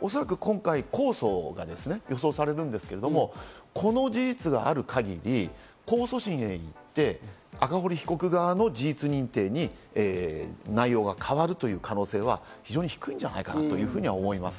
おそらく今回、控訴が予想されるんですけど、この事実がある限り、控訴審へ行って赤堀被告側の事実認定に内容が変わるという可能性は非常に低いんじゃないかなというふうに思います。